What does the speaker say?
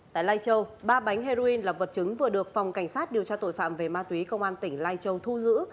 tại lai châu ba bánh heroin là vật chứng vừa được phòng cảnh sát điều tra tội phạm về ma túy công an tỉnh lai châu thu giữ